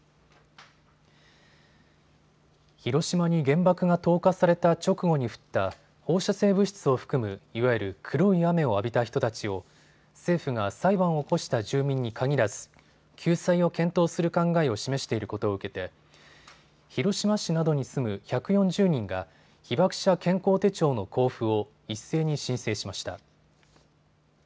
広島に原爆が投下された直後に降った放射性物質を含むいわゆる黒い雨を浴びた人たちを政府が裁判を起こした住民に限らず救済を検討する考えを示していることを受けて広島市などに住む１４０人が被爆者健康手帳の交付を一斉に申請しました。